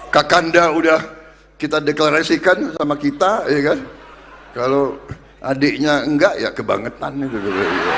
kakanda udah kita deklarasikan sama kita kalau adiknya enggak ya kebangetan itu